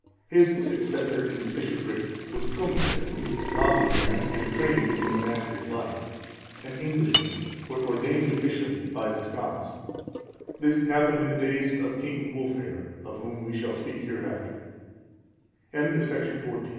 His successor in the bishopric was Trumhere,(412) a godly man, and trained in the monastic life, an Englishman, but ordained bishop by the Scots. This happened in the days of King Wulfhere, of whom we shall speak hereafter. Chap. XXII.